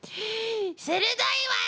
鋭いわ！